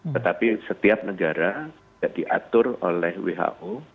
tetapi setiap negara tidak diatur oleh who